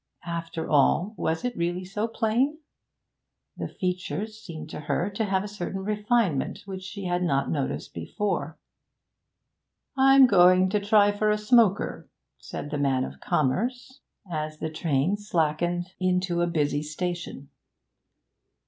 After all, was it really so plain? The features seemed to her to have a certain refinement which she had not noticed before. 'I'm going to try for a smoker,' said the man of commerce, as the train slackened into a busy station.